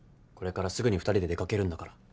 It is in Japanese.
これからすぐに２人で出掛けるんだから。